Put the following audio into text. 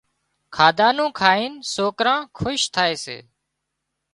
کاڌا نُون کائين سوڪران خوش ٿائي سي